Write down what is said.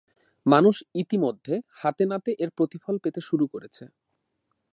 মানুষ ইতিমধ্যে হাতে নাতে এর প্রতিফল পেতে শুরু করেছে।